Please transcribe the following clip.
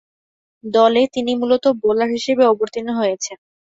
দলে তিনি মূলতঃ বোলার হিসেবে অবতীর্ণ হয়েছেন।